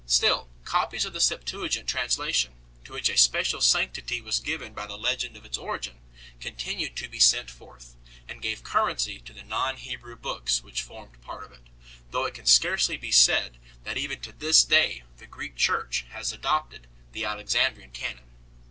Still, copies of the Septuagint translation, to which a special sanctity was fiven by the legend of its origin, continued to be sent )r j uh, and gave currency to the non Hebrew books which formed part of it, though it can scarcely be said that even to this day the Greek Church has adopted the Alexandrian canon.